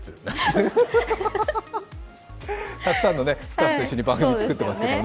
たくさんのスタッフと一緒に番組、作ってますからね。